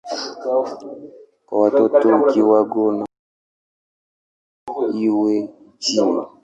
Kwa watoto kiwango na kasi lazima iwe chini.